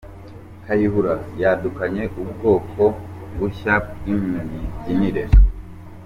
Kayihura yadukanye ubwoko bushya bw’imibyinire